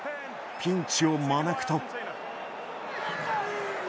ピンチを招くと。